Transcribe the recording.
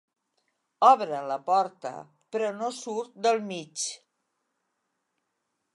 Obre la porta, però no surt del mig.